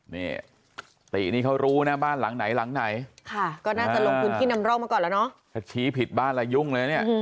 นี่ตินี่เขารู้นะบ้านหลังไหนหลังไหนค่ะก็น่าจะลงพื้นที่นำร่องมาก่อนแล้วเนาะถ้าชี้ผิดบ้านแล้วยุ่งเลยเนี่ย